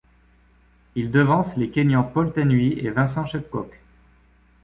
Il devance les Kényans Paul Tanui et Vincent Chepkok.